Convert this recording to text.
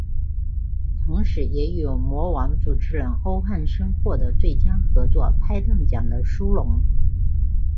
同时也与模王主持人欧汉声获得最佳合作拍档奖的殊荣。